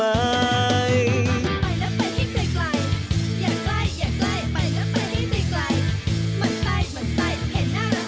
ไปแล้วไปให้ใกล้อย่าใกล้อย่าใกล้ไปแล้วไปให้ใกล้